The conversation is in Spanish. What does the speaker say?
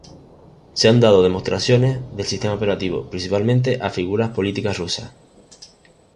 Se han dado demostraciones del sistema operativo, principalmente a figuras políticas rusas.